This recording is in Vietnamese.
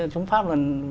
chúng pháp là